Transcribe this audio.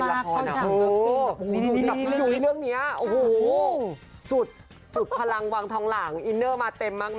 ชอบมากเข้าถามเซิกซินดูอยู่ในเรื่องนี้สุดพลังวางทองหล่างอินเนอร์มาเต็มมากแน่